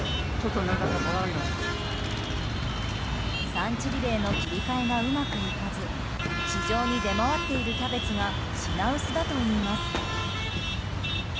産地リレーの切り替えがうまくいかず市場に出回っているキャベツが品薄だといいます。